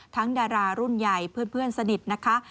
ดารารุ่นใหญ่เพื่อนสนิทนะคะ